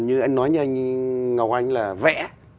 như anh nói với anh ngọc anh là vẽ